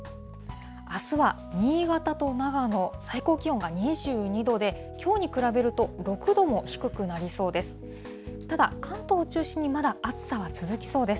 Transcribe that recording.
あすは新潟と長野、最高気温が２２度で、きょうに比べると６度も低くなりそうです。